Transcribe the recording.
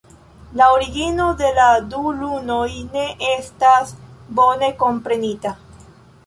La origino de la du lunoj ne estas bone komprenita.